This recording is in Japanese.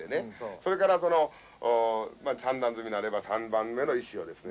それから３段積みなれば３番目の石をですね